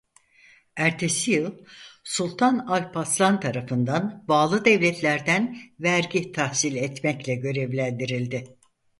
Ertesi yıl Sultan Alp Arslan tarafından bağlı devletlerden vergi tahsil etmekle görevlendirildi.